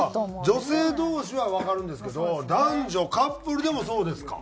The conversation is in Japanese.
女性同士はわかるんですけど男女カップルでもそうですか？